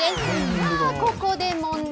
さあ、ここで問題。